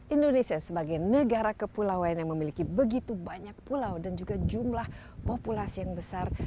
indonesia sebagai negara kepulauan yang memiliki begitu banyak pulau dan juga jumlah populasi yang besar